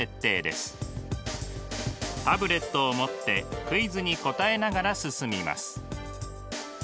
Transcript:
タブレットを持ってクイズに答えながら進みます。